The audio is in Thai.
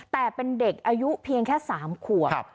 แต่เป็นเด็กอายุเพียงแค่สามขวบครับ